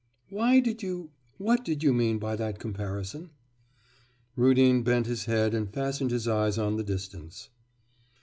'Why did you what did you mean by that comparison?' Rudin bent his head and fastened his eyes on the distance.